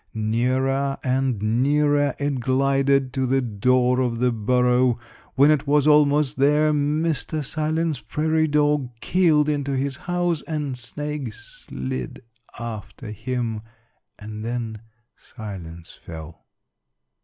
Nearer and nearer it glided to the door of the burrow. When it was almost there, Mr. Silence Prairie Dog keeled into his house, the snake slid after him, and then silence fell.